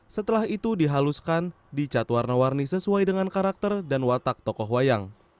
setelah itu dihaluskan dicat warna warni sesuai dengan karakter dan watak tokoh wayang